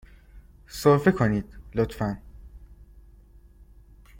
سرفه کنید، لطفاً.